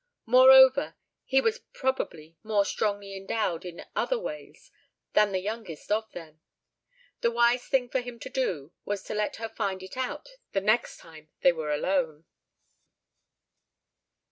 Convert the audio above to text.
Moreover, he was probably more strongly endowed in other ways than the youngest of them. The wise thing for him to do was to let her find it out the next time they were alone.